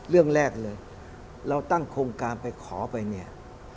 เรื่องแรกเลยเราตั้งโครงการไปขอไปเนี่ย